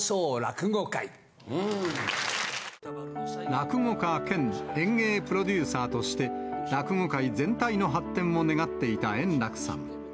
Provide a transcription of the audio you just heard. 落語家兼演芸プロデューサーとして、落語界全体の発展を願っていた円楽さん。